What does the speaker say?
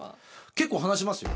結構話しますよ